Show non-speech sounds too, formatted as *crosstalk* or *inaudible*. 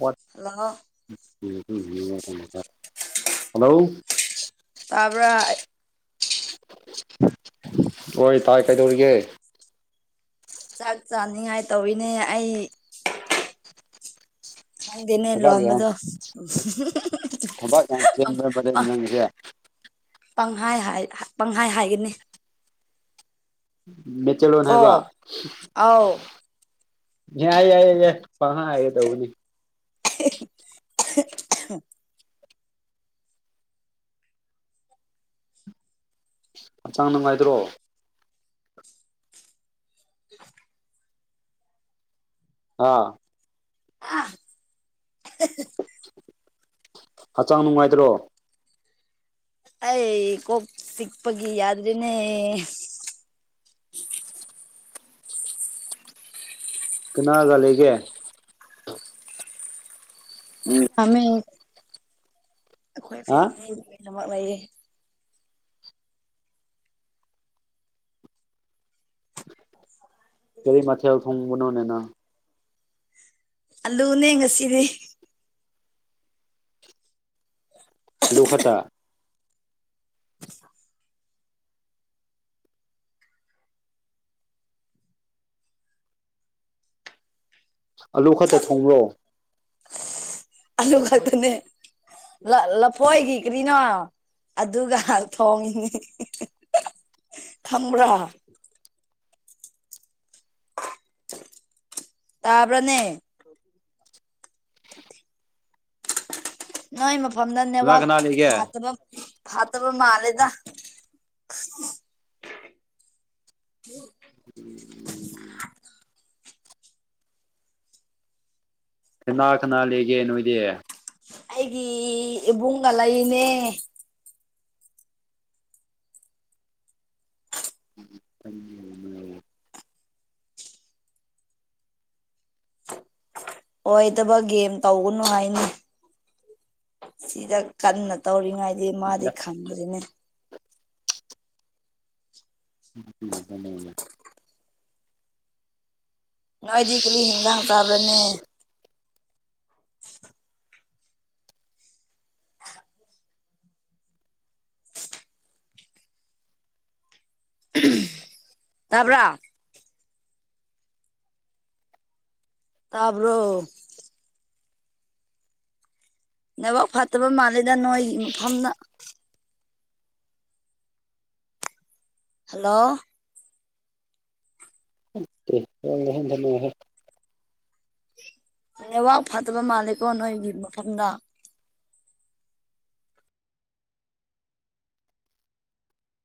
ꯋꯥꯠ hello *unintelligible* hello ꯇꯥꯕꯔꯥ ꯍꯣꯏ ꯇꯥꯏ ꯀꯩꯗꯧꯔꯤꯒꯦ ꯆꯥꯛ ꯆꯥꯅꯤꯡꯉꯥꯏ ꯇꯧꯋꯤꯅꯦ ꯑꯩ ꯈꯪꯗꯦꯅꯦ ꯊꯕꯛ ꯌꯥꯝ ꯂꯣꯟꯕꯗꯣ ꯊꯕꯛ ꯌꯥꯝ ꯆꯦꯟꯕ ꯃꯔ ꯅꯪꯒꯤꯁꯦ *inaudible* ꯄꯪꯍꯥꯏ ꯄꯪꯍꯥꯏ ꯍꯥꯏꯒꯅꯤ ꯃꯩꯇꯩꯂꯣꯟ ꯀꯣ ꯍꯥꯏꯕ ꯑꯥꯎ ꯌꯥꯢ ꯌꯥꯢ ꯌꯥꯢ ꯄꯪꯍꯥꯢ ꯍꯥꯢꯒꯗꯧꯕꯅꯤ *unintelligible* ꯍꯛꯆꯥꯡ ꯅꯨꯡꯉꯥꯏꯗ꯭ꯔꯣ ꯍꯥꯥ *unintelligible* ꯍꯛꯆꯥꯡ ꯅꯨꯡꯉꯥꯏꯗ꯭ꯔꯣ ꯑꯩ ꯀꯣꯛ ꯆꯤꯛꯄꯒꯤ ꯌꯥꯗ꯭ꯔꯅꯦ *inaudible* ꯀꯅꯥꯒ ꯂꯩꯒꯦ ꯑꯩꯈꯣꯢ ꯍꯥ ꯐꯦꯃꯂꯤ ꯂꯣꯢꯅꯃꯛ ꯂꯩꯌꯦ ꯀꯔꯤ ꯃꯊꯦꯜ ꯊꯣꯡꯕꯅꯣꯅꯦꯅꯪ ꯑꯂꯨꯅꯦ ꯉꯁꯤꯗꯤ ꯗꯨꯈꯠꯇ ꯑꯂꯨ ꯈꯛꯇ ꯊꯣꯡꯕꯔꯣ ꯑꯂꯨ ꯈꯇꯅꯦ ꯂꯐꯣꯏꯒꯤ ꯀꯔꯤꯅꯣ ꯑꯗꯨꯒ ꯊꯣꯡꯉꯤꯅꯤ ꯈꯝꯕ꯭ꯔꯥ ꯇꯕꯔꯅꯦ ꯅꯣꯏ ꯃꯐꯝꯗ ꯀꯅꯥ ꯅꯦꯠꯋꯥꯛ ꯀꯅꯥ ꯂꯩꯒꯦ ꯐꯥꯠꯇꯕ ꯐꯥꯠꯇꯕ ꯃꯥꯜꯂꯦꯗ *unintelligible* ꯎꯝ ꯎꯝ ꯀꯥꯅ ꯀꯅꯥ ꯂꯩꯒꯦ ꯅꯣꯢꯗꯤ ꯑꯩꯒꯤ ꯏꯕꯨꯡꯒ ꯂꯩꯅꯦ *unintelligible* ꯑꯣꯢꯇꯕ ꯒꯦꯝ ꯇꯧꯒꯅꯨ ꯍꯥꯏꯅꯤ ꯁꯤꯗ ꯀꯟꯅ ꯇꯧꯔꯤꯉꯩꯗꯤ ꯃꯥꯗꯤ ꯈꯪꯗ꯭ꯔꯤꯅꯦ *unintelligible* ꯅꯣꯏꯗꯤ ꯀꯔꯤ ꯍꯤꯟꯖꯥꯡ ꯆꯕꯔꯥꯅꯦ *unintelligible* *unintelligible* ꯇꯕꯔꯥ ꯇꯥꯕ꯭ꯔꯣ ꯅꯦꯋꯥ꯭ꯔꯛ ꯐꯠꯇꯕ ꯃꯥꯜꯂꯦꯗ ꯅꯣꯏ ꯃꯐꯝꯗꯣ ꯍꯜꯂꯣ *unintelligible* ꯅꯦꯋꯥꯥꯛ ꯐꯠꯇꯕ ꯃꯥꯜꯂꯤꯀꯣ ꯅꯣꯏꯒꯤ ꯃꯐꯝꯗ